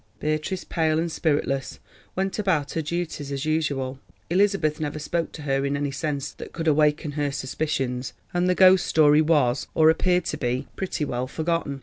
Beatrice, pale and spiritless, went about her duties as usual. Elizabeth never spoke to her in any sense that could awaken her suspicions, and the ghost story was, or appeared to be, pretty well forgotten.